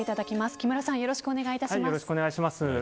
木村さんよろしくお願いします。